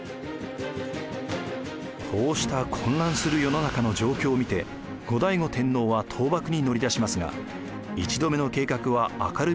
こうした混乱する世の中の状況を見て後醍醐天皇は倒幕に乗り出しますが１度目の計画は明るみに出て失敗。